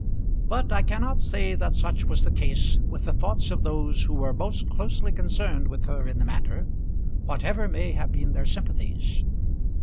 But I cannot say that such was the case with the thoughts of those who were most closely concerned with her in the matter, whatever may have been their sympathies.